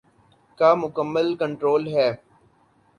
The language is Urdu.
کا مکمل کنٹرول ہے۔